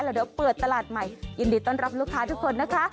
เดี๋ยวเปิดตลาดใหม่ยินดีต้อนรับลูกค้าทุกคนนะคะ